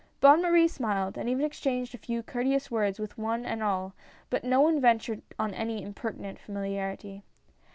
" Bonne Marie smiled, and even exchanged a few courteous words with one and all, but no one ventured on any impertinent familiarity.